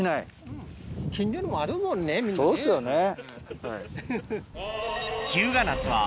そうっすよね。